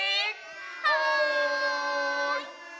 はい！